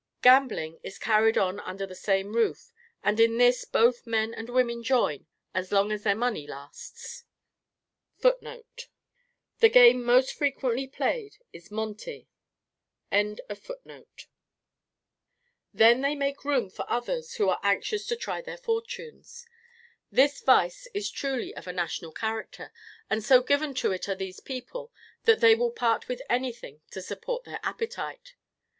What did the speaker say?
Gambling is carried on under the same roof; and in this both men and women join as long as their money lasts. Then they make room for others who are anxious to try their fortunes. This vice is truly of a national character, and so given to it are these people, that they will part with anything to support their appetite.